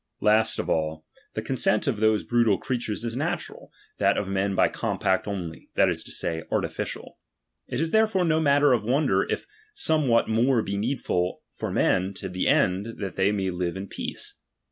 Last of all, the consent of those brutal creatures is natural ; that L^Lof men by compact only, that is to say, artificial. ^^■Itis therefore no matter of wonder, if somewhat " more be needful for men to the end they may live in peace.